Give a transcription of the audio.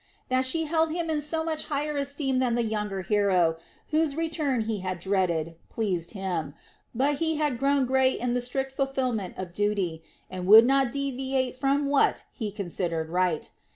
That she held him in so much higher esteem than the younger hero, whose return he had dreaded, pleased him, but he had grown grey in the strict fulfilment of duty, and would not deviate from what he considered right.